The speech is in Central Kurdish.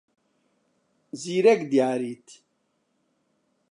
زیرەک دیاریت.